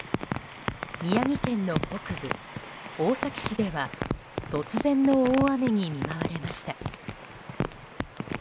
宮城県の北部、大崎市では突然の大雨に見舞われました。